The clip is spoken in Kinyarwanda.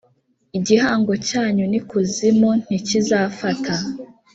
igihango cyanyu n’ikuzimu ntikizafata.